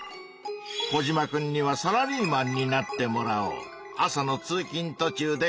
コジマくんにはサラリーマンになってもらおう。